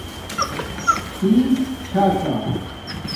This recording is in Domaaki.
تھی چھاکا